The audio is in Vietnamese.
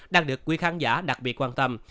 đang được quý khán giả đặc biệt quan tâm